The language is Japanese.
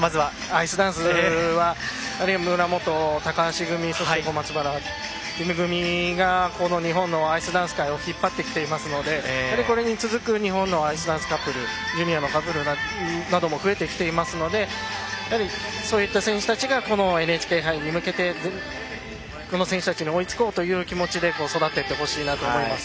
アイスダンスは村元、高橋組そして、小松原、ティム組が日本のアイスダンス界を引っ張ってきていますのでこれに続く日本のアイスダンスカップルジュニアのカップルなども増えてきていますのでそういった選手たちがＮＨＫ杯に向けてこの選手たちに追いつこうという気持ちで育っていってほしいなと思います。